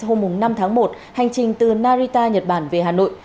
hôm năm tháng một hành trình từ narita nhật bản về hà nội